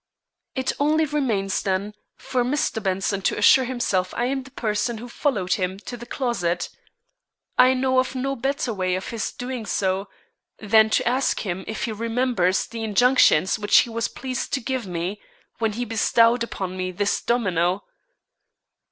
"It only remains, then, for Mr. Benson to assure himself I am the person who followed him to the closet. I know of no better way of his doing this than to ask him if he remembers the injunctions which he was pleased to give me, when he bestowed upon me this domino."